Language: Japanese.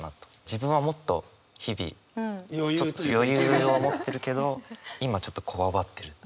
自分はもっと日々余裕を持ってるけど今ちょっと強張ってるっていう。